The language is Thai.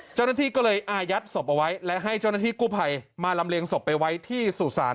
เจ้านัทธีก็เลยอายัดศพเอาไว้และให้เจ้านัทธีกรุภัยมารำเลงศพไปไว้ที่สุสาน